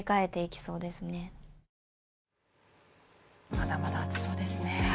まだまだ暑そうですね。